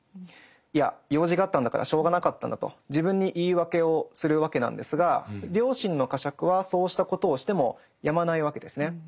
「いや用事があったんだからしょうがなかったんだ」と自分に言い訳をするわけなんですが良心の呵責はそうしたことをしてもやまないわけですね。